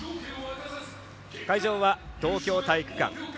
会場は東京体育館。